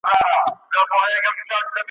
له یوه لاسه تر بل پوري رسیږي `